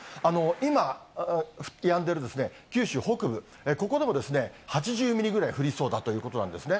今やんでる九州北部、ここでも８０ミリぐらい降りそうだということなんですね。